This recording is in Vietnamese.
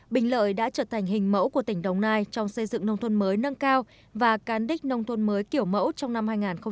bình lợi đã trở thành hình mẫu của tỉnh đồng nai trong xây dựng nông thôn mới nâng cao và cán đích nông thôn mới kiểu mẫu trong năm hai nghìn hai mươi